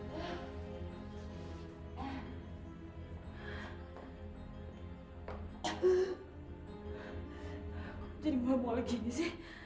kaliankah buka und loncatan blasin